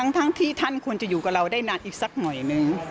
ทั้งที่ท่านควรจะอยู่กับเราได้นานอีกสักหน่อยนึง